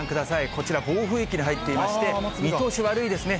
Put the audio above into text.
こちら、暴風域に入っていまして、見通し悪いですね。